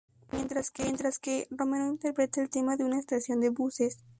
Mientras que, Romero interpreta el tema en una estación de buses.